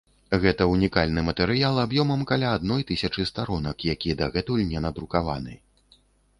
Гэта ўнікальны матэрыял аб'ёмам каля адной тысячы старонак, які дагэтуль не надрукаваны.